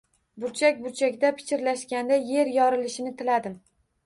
Burchak-burchakda pichirlashganda yer yorilishini tiladim.